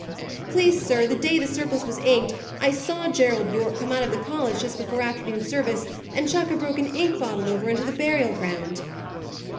"Please, sir, the day the surplice was inked, I saw Gerald Yorke come out of the college just before afternoon service, and chuck a broken ink bottle over into the burial ground."